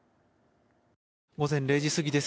午前０時過ぎです。